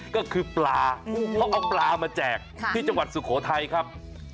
ก็คือปลาเขาเอาปลามาแจกที่จังหวัดสุโขทัยครับ